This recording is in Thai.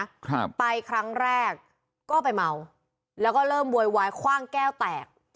ครับไปครั้งแรกก็ไปเมาแล้วก็เริ่มโวยวายคว่างแก้วแตก